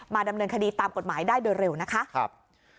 ดำเนินคดีตามกฎหมายได้โดยเร็วนะคะ